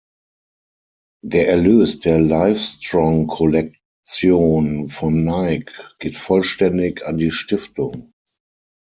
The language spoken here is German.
Der Erlös der Livestrong-Kollektion von Nike geht vollständig an die Stiftung.